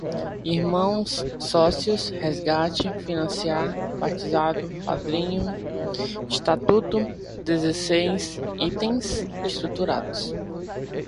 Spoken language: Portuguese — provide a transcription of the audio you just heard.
irmãos, sócios, resgate, financiar, batizado, padrinho, estatuto, dezesseis itens, estruturados